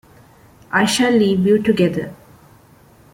I shall leave you together.